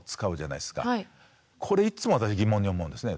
これいつも私疑問に思うんですね。